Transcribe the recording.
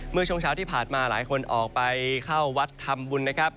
เมื่อช่วงเช้าที่ผ่านมาหลายคนออกไปเข้าวัดทำบุญนะครับ